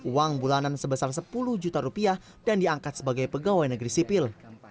uang bulanan sebesar sepuluh juta rupiah dan diangkat sebagai pegawai negeri sipil